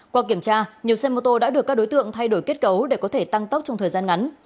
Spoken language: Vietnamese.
qua kiểm tra nhiều xe mô tô đã được các đối tượng thay đổi kết cấu để có thể tăng tốc trong thời gian ngắn